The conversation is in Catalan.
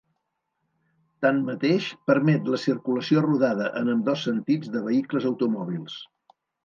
Tanmateix permet la circulació rodada en ambdós sentits de vehicles automòbils.